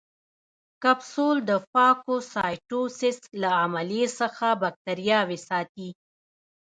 کپسول د فاګوسایټوسس له عملیې څخه باکتریاوې ساتي.